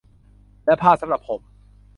และผ้าสำหรับห่ม